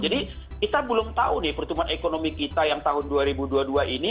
jadi kita belum tahu nih pertumbuhan ekonomi kita yang tahun dua ribu dua puluh dua ini